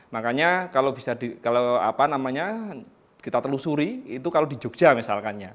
makanya kalau kita telusuri itu kalau di jogja misalkannya